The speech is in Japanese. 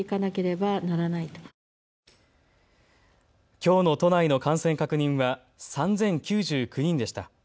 きょうの都内の感染確認は３０９９人でした。